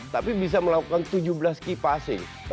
tapi bisa melakukan tujuh belas kipasing